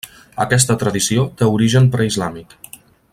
Aquesta tradició té origen preislàmic.